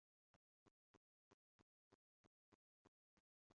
Ntabwo ndi umugaragu wawe